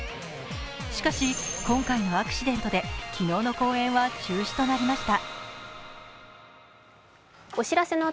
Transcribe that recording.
しかし、今回のアクシデントで昨日の公演は中止となりました。